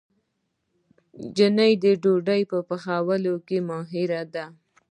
ښځې د ډوډۍ په پخولو کې ماهرې دي.